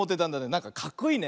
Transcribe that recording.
なんかかっこいいね。